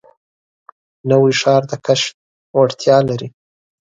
نوی ښار د کشف وړتیا لري